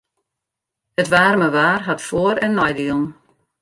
It waarme waar hat foar- en neidielen.